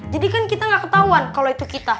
jadikan kita gak ketahuan kalo itu kita